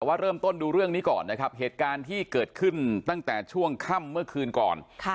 ว่าเริ่มต้นดูเรื่องนี้ก่อนนะครับเหตุการณ์ที่เกิดขึ้นตั้งแต่ช่วงค่ำเมื่อคืนก่อน